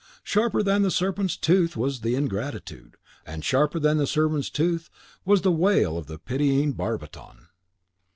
Sharper than the serpent's tooth was the ingratitude, and sharper than the serpent's tooth was the wail of the pitying barbiton!